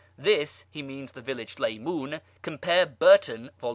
This (he means the village Laymun, compare Burton, vol.